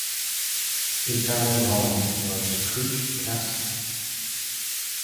His family home was Creich Castle.